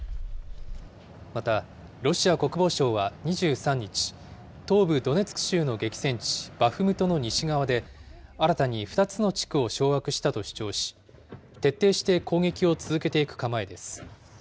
またロシア国防省は２３日、東部ドネツク州の激戦地、バフムトの西側で、新たに２つの地区を掌握したと主張し、徹底して攻撃を続けていく構えです。